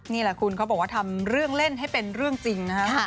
นี่แหละคุณเขาบอกว่าทำเรื่องเล่นให้เป็นเรื่องจริงนะครับ